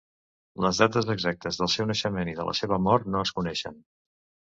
Les dates exactes del seu naixement i de la seva mort no es coneixen.